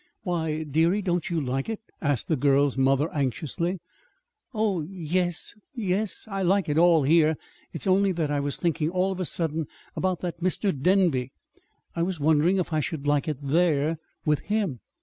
"Why, dearie, don't you like it?" asked the girl's mother anxiously. "Yes, oh, yes; I like it all here. It's only that I was thinking, all of a sudden, about that Mr. Denby. I was wondering if I should like it there with him."